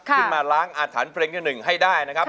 ขึ้นมาล้างอาถรรพ์เพลงที่๑ให้ได้นะครับ